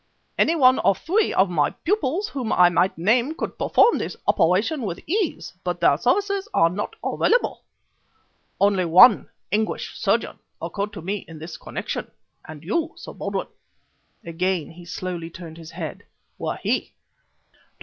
Any one of three of my pupils whom I might name could perform this operation with ease, but their services are not available. Only one English surgeon occurred to me in this connection, and you, Sir Baldwin" again he slowly turned his head "were he. Dr.